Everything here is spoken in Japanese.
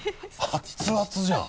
熱々じゃん。